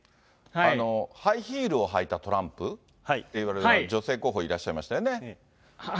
ハイヒールを履いたトランプっていわれる女性候補いましたよね？